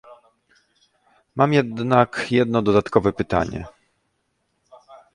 Mam jednak jedno dodatkowe pytanie